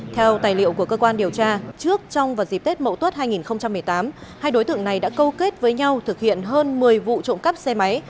theo tài liệu của cơ quan điều tra trước trong và dịp tết mậu tuất hai nghìn một mươi tám hai đối tượng này đã câu kết với nhau thực hiện hơn một mươi vụ trộm cắp xe máy